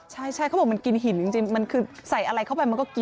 ใช่เขาบอกมันกินหินจริงมันคือใส่อะไรเข้าไปมันก็กิน